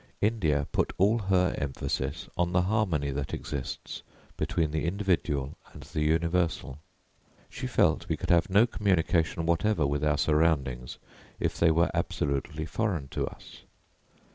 India put all her emphasis on the harmony that exists between the individual and the universal. She felt we could have no communication whatever with our surroundings if they were absolutely foreign to us.